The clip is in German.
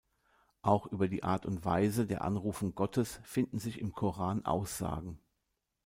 Auch über die Art und Weise der Anrufung Gottes finden sich im Koran Aussagen.